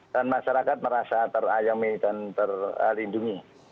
dan masyarakat merasa terayami dan terlindungi